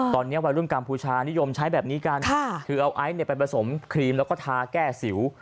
ตอนนี้วัยรุ่นกัมพูชานิยมใช้แบบนี้กันคือเอาไอซ์ไปผสมครีมแล้วก็ทาแก้สิว